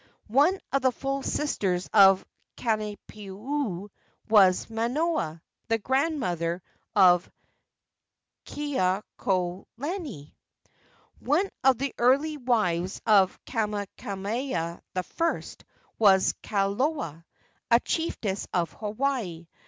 One of the full sisters of Kalaniopuu was Manona, the grandmother of Kekuaokalani. One of the early wives of Kamehameha I. was Kalola, a chiefess of Hawaii.